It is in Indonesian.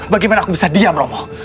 bagaimana aku bisa diam romo